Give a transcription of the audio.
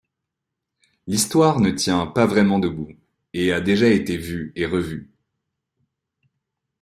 L'histoire ne tient pas vraiment debout et a déjà été vue et revue.